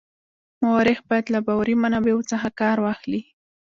مورخ باید له باوري منابعو څخه کار واخلي.